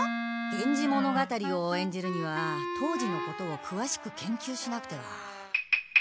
「源氏物語」をえんじるには当時のことをくわしく研究しなくては。